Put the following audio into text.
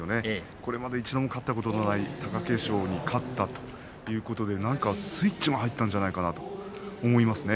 これまで一度も勝っていない貴景勝に勝ったということでスイッチが入ったんじゃないかなと思いますね。